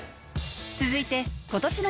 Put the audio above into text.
続いて今年の